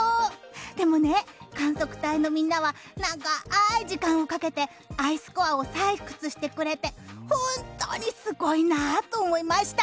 でもね、観測隊のみんなは長い時間をかけてアイスコアを採掘してくれて本当にすごいなと思いました。